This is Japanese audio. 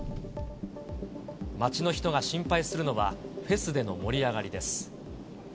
町の人が心配するのは、フェスでの盛り上がりです。